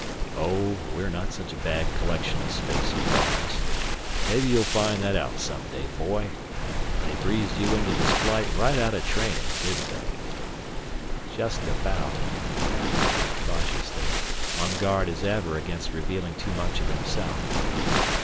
"Oh, we're not such a bad collection of space bums. Maybe you'll find that out someday, boy. They breezed you into this flight right out of training, didn't they?" "Just about," Raf admitted cautiously, on guard as ever against revealing too much of himself.